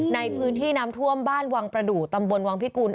ในพื้นที่น้ำท่วมบ้านวังประดูกตำบลวังพิกุล